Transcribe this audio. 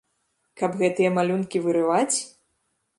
Каб гэтыя малюнкі вырываць?